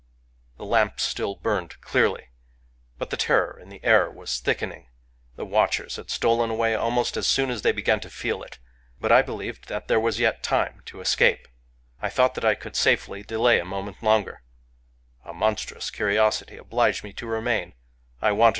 " The lamps still burned clearly ; but the terror in the air was thickening. The watchers had stolen away almost as soon as they began to feel it. But I believed that there was yet time to escape; — I thought that I could safely delay a Digitized by Googk 250 THE EATER OF DREAMS moment longer.